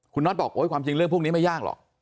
คุณน็อตบอกความจริงเรื่องพวกนี้ไม่ยากหรอก